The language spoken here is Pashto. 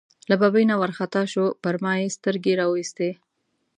له ببۍ نه وار خطا شو، پر ما یې سترګې را وایستې.